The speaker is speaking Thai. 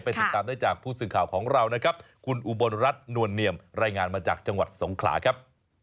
ติดตามได้จากผู้สื่อข่าวของเรานะครับคุณอุบลรัฐนวลเนียมรายงานมาจากจังหวัดสงขลาครับ